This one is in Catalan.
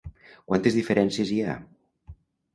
Quantes diferències hi ha?